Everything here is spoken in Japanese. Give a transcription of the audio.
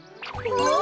あっ！